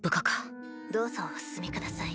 どうぞお進みください。